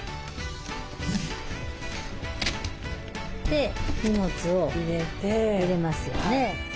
で荷物を入れますよね。